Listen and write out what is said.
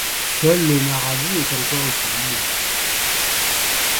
Seul le marabout est encore utilisé.